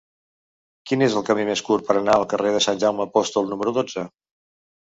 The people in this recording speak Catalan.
Quin és el camí més curt per anar al carrer de Sant Jaume Apòstol número dotze?